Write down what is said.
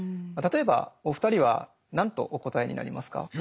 例えばお二人は何とお答えになりますか？